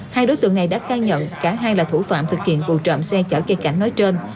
hai đối tượng này đã khai nhận cả hai là thủ phạm thực hiện vụ trộm xe chở cây cảnh nói trên